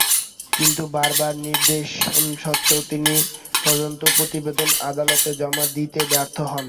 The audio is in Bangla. কিন্তু বারবার নির্দেশ সত্ত্বেও তিনি তদন্ত প্রতিবেদন আদালতে জমা দিতে ব্যর্থ হন।